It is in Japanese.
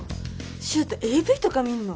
柊人ＡＶとか見んの？